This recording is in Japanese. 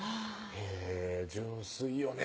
へぇ純粋よね